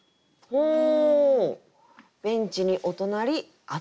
ほう！